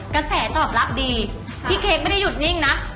กระแสตอบรับดีพี่เค้กไม่ได้หยุดนิ่งนะ